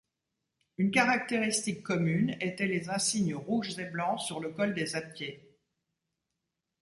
Une caractéristique commune était les insignes rouges et blancs sur le col des zaptiés.